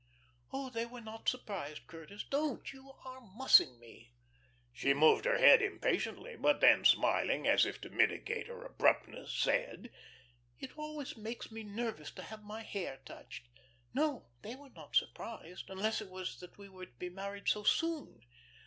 "Oh, they were not surprised. Curtis, don't, you are mussing me." She moved her head impatiently; but then smiling, as if to mitigate her abruptness, said, "It always makes me nervous to have my hair touched. No, they were not surprised; unless it was that we were to be married so soon.